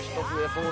そう。